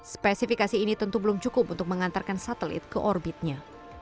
spesifikasi ini tentu belum cukup untuk mengantarkan satelit ke orbitnya